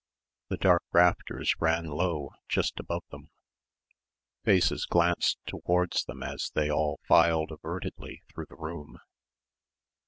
The dark rafters ran low, just above them. Faces glanced towards them as they all filed avertedly through the room.